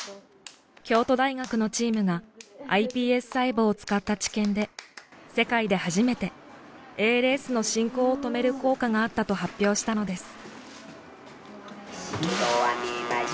京都大学のチームがｉＰＳ細胞を使った治験で世界で初めてＡＬＳの進行を止める効果があったと発表したのです。